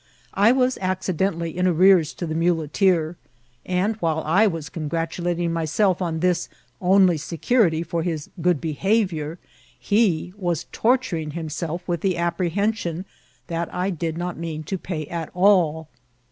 I was accidentally in arrears to Ae muleteer ; and, while I was congratulating myself on this only security for his good behaviour, he was torturing himself with the ap* prehension that I did not mean to pay at all.